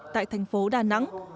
tại thành phố đà nẵng